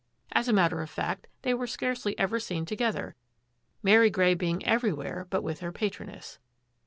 As a matter of fact, they were scarcely ever seen to gether, Mary Grey being everywhere but with her patroness.